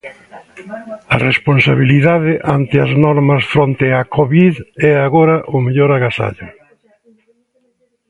A responsabilidade ante as normas fronte a Covid é agora o mellor agasallo.